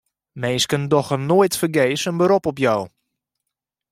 Minsken dogge noait fergees in berop op jo.